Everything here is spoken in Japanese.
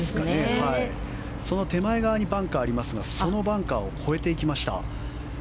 その手前側にバンカーがありますがそのバンカーを越えていきました。